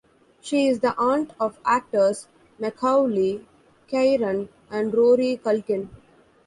She is the aunt of actors Macaulay, Kieran, and Rory Culkin.